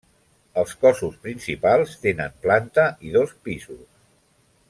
Els cossos principals tenen planta i dos pisos.